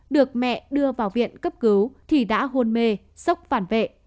được mẹ đưa vào viện cấp cứu thì đã hôn mê sốc phản vệ